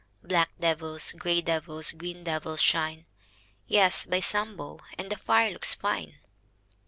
Black devils, grey devils, green devils shine — Yes, by Sambo, And the fire looks fine!